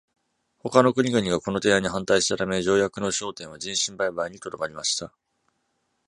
他の国々がこの提案に反対したため、条約の焦点は人身売買にとどまりました。